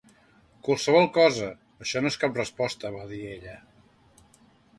"Qualsevol cosa". "Això no és cap resposta", va dir ella.